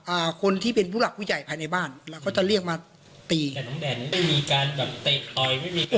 อ่าคนที่เป็นผู้หลักผู้ใหญ่ภายในบ้านเราก็จะเรียกมาตีแต่ตอนแดดนี้ไม่มีการ